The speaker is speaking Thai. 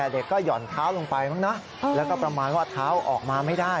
เด็กก็หย่อนเท้าลงไปมั้งนะแล้วก็ประมาณว่าเท้าออกมาไม่ได้